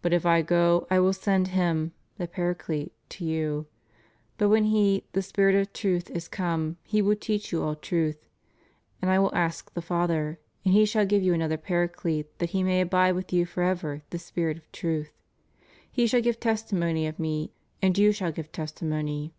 But if I go I will send Him (the Par aclete) to you. ... But when He, the Spirit of Truth, i« come, He will teach you all truth. ^ And I will ask the Father, and He shall give you another Paraclete, that He may abide with you forever, the Spirit of Truth? He shall give testimony of Me, and you shall give testimony.